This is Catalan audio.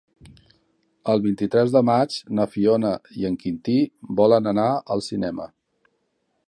El vint-i-tres de maig na Fiona i en Quintí volen anar al cinema.